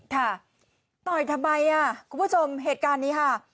ค่ะต่อยทำไมอ่ะคุณผู้ชมเหตุการณ์นี้ค่ะ